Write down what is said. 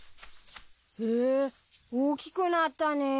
へぇ大きくなったねぇ。